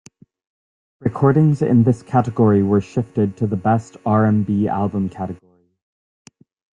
Recordings in this category were shifted to the Best R and B Album category.